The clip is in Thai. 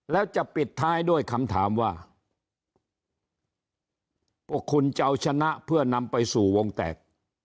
แล้วจะปิดท้ายด้วยคำถามว่าพวกคุณจะเอาชนะเพื่อนำไปสู่วงแตก